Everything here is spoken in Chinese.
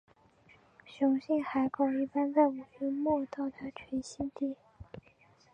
雄性海狗一般在五月末到达群栖地。